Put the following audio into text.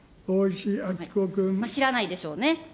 知らないでしょうね。